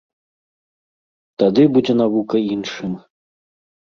Тады будзе навука іншым.